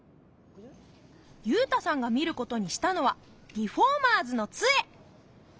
ゆうたさんが見ることにしたのは「リフォーマーズの杖」。